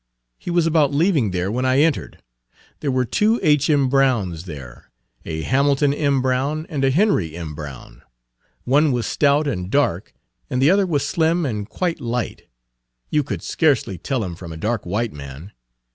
He was about leaving there when I entered. There were two H. M. Browns there a Hamilton M. Brown and a Henry M. Brown. One was stout and dark and the other was slim and quite light; you could scarcely tell him from a dark white man.